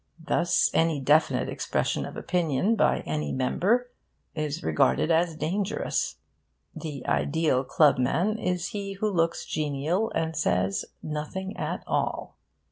Thus any definite expression of opinion by any member is regarded as dangerous. The ideal clubman is he who looks genial and says nothing at all.